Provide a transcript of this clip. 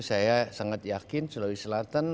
saya sangat yakin sulawesi selatan